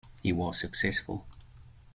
He was successful.